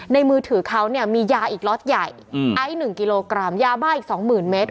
มือถือเขาเนี่ยมียาอีกล็อตใหญ่ไอซ์๑กิโลกรัมยาบ้าอีก๒๐๐๐เมตร